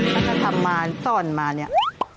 ก่อนจะทำมาสอนมาเนี่ย